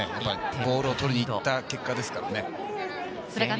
ボールを取りに行った結果ですからね。